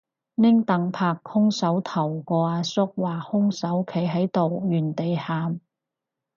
拎櫈拍兇手頭個阿叔話兇手企喺度原地喊